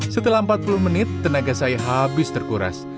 setelah empat puluh menit tenaga saya habis terkuras